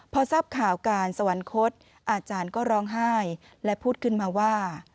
พอทราบข่าวการสวรรคตอาจารย์ก็ร้องไห้และพูดขึ้นมาว่า